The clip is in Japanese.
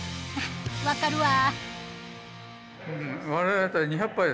分かるわ。